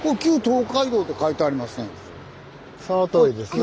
そのとおりですね。